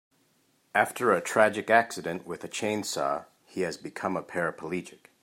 After a tragic accident with a chainsaw he has become a paraplegic.